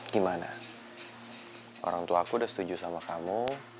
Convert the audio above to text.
gimana orangtuaku udah setuju sama kamu